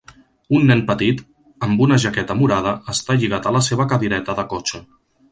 Un nen petit amb una jaqueta morada està lligat a la seva cadireta de cotxe.